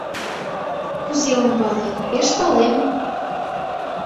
Кузе ом пале, пеш палем.